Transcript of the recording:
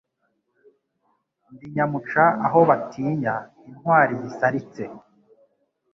Ndi nyamuca aho batinya intwali zisaritse